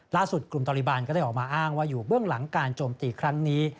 ล่าสุดกลุ่มตอริบานก็ได้ออกมาอ้างว่าอยู่เบื้องหลังการโจมตีครั้งนี้